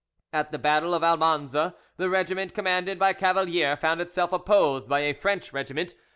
At the battle of Almanza the regiment commanded by Cavalier found itself opposed by a French regiment.